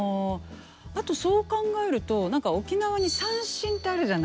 あとそう考えると沖縄に三線ってあるじゃないですか。